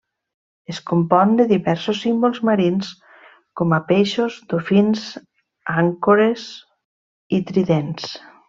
Es compon de diversos símbols marins com a peixos, dofins, ancores i tridents.